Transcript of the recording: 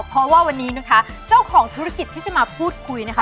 เพราะว่าวันนี้นะคะเจ้าของธุรกิจที่จะมาพูดคุยนะคะ